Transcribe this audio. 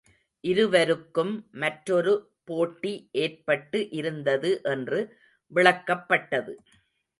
இருவருக்கும் மற்றொரு போட்டி ஏற்பட்டு இருந்தது என்று விளக்கப்பட்டது.